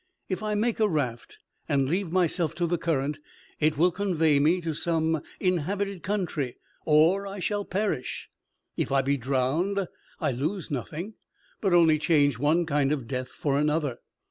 If I make a raft, and leave myself to the current, it will convey me to some inhabited country, or I shall perish. If I be drowned I lose nothing, but only change one kind of death for another."